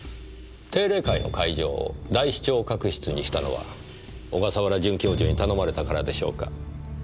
定例会の会場を大視聴覚室にしたのは小笠原准教授に頼まれたからでしょうか？